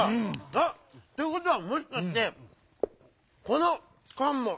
あっ！ということはもしかしてこのかんも。